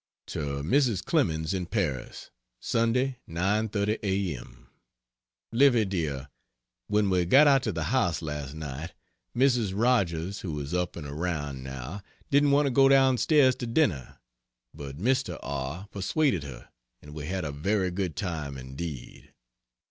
To Mrs. Clemens, in Paris: Sunday, 9.30 a. m. Livy dear, when we got out to the house last night, Mrs. Rogers, who is up and around, now, didn't want to go down stairs to dinner, but Mr. R. persuaded her and we had a very good time indeed.